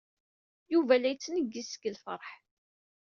Yuba la yettneggiz seg lfeṛḥ.